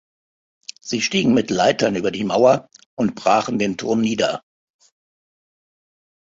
Sie stiegen mit Leitern über die Mauer und brachen den Turm nieder.